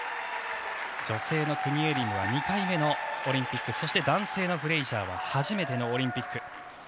女性のクニエリムは２回目のオリンピックそして、男性のフレイジャーは初めてのオリンピック。